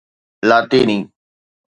لاطيني